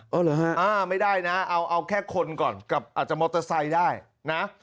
เอาเหรอฮะอ่าไม่ได้นะเอาแค่คนก่อนกับอาจจะมอเตอร์ไซค์ได้นะ